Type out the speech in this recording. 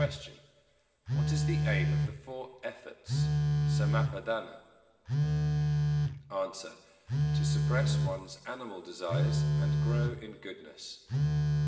What is the aim of the four Great Efforts (Sammappadhānā)? A. To suppress one's animal desires and grow in goodness.